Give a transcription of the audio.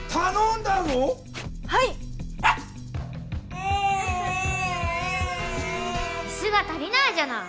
いすが足りないじゃない！